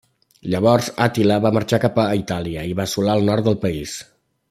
Llavors Àtila va marxar cap a Itàlia i va assolar el nord del país.